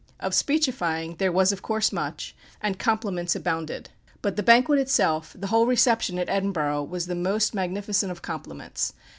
Of speechifying there was of course much, and compliments abounded. But the banquet itself, the whole reception at Edinburgh was the most magnificent of compliments.